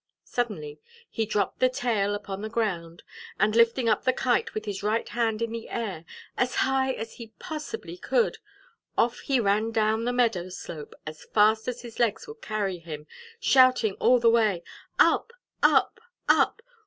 Suddenly he dropped the tail upon the ground, and lifting up the Kite with his right hand in the air, as high as he possibly could, off he ran down the meadow slope as fast as his legs could carry him, shouting all the way, "Up, up, up!